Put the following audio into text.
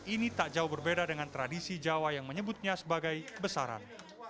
ini tak jauh berbeda dengan tradisi jawa yang menyebutnya sebagai besaran